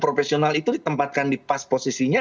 profesional itu ditempatkan di pas posisinya